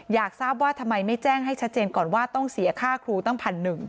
อยากทราบว่าทำไมไม่แจ้งให้ชัดเจนก่อนว่าต้องเสียค่าครูตั้ง๑๑๐๐